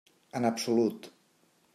En absolut.